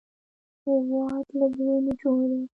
هېواد له زړونو جوړ دی